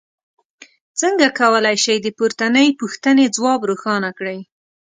څنګه کولی شئ د پورتنۍ پوښتنې ځواب روښانه کړئ.